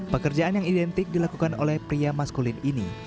pekerjaan yang identik dilakukan oleh pria maskulin ini